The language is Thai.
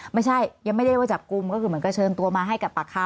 ไม่ใช่ยังไม่ได้ว่าจับกลุ่มก็คือเหมือนกับเชิญตัวมาให้กับปากคา